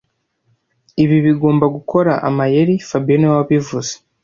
Ibi bigomba gukora amayeri fabien niwe wabivuze